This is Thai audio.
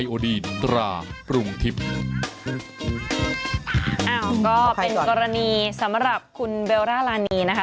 ก็เป็นกรณีสำหรับคุณเบลล่ารานีนะคะ